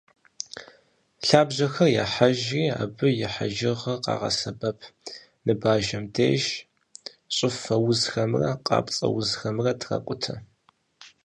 Лъабжьэхэр яхьэжри, абы и хьэжыгъэр къагъэсэбэп ныбажэм деж, щӏыфэ узхэмрэ кӏапцӏэузхэмрэ тракӏутэ.